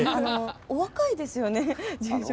お若いですよね、住職。